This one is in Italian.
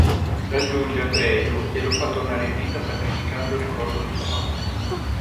Raggiunge Atreyu e lo fa tornare in vita sacrificando il ricordo di sua madre.